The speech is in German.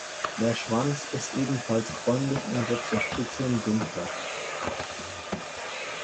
Der Schwanz ist ebenfalls bräunlich und wird zur Spitze hin dunkler.